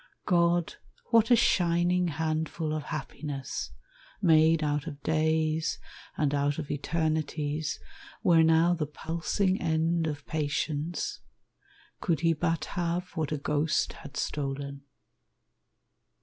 God, what a shining handful of happiness, Made out of days and out of eternities, Were now the pulsing end of patience Could he but have what a ghost had stolen!